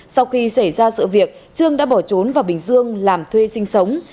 sau khi xảy ra sự việc trương đã bỏ trốn vào bình dương làm thuê sinh sống